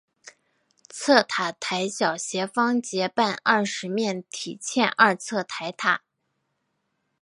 侧台塔小斜方截半二十面体欠二侧台塔。